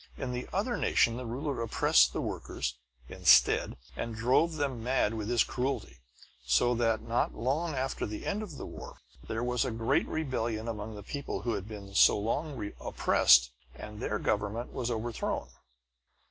In the other nation, the ruler oppressed the workers, instead, and drove them mad with his cruelty. So that, not long after the end of the war, there was a great rebellion among the people who had been so long oppressed, and their government was overthrown."